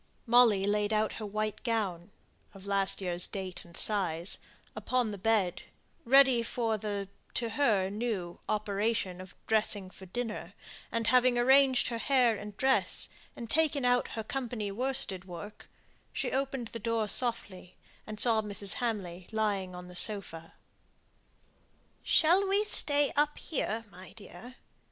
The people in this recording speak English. Molly laid out her white gown (of last year's date and size) upon the bed, ready for the (to her new) operation of dressing for dinner, and having arranged her hair and dress, and taken out her company worsted work, she opened the door softly, and saw Mrs. Hamley lying on the sofa. "Shall we stay up here, my dear?